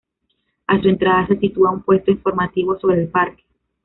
A su entrada se sitúa un puesto informativo sobre el parque.